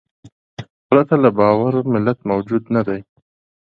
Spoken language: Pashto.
پرته له باور ملت موجود نهدی.